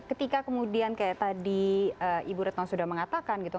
ketika kemudian kayak tadi ibu retno sudah mengatakan gitu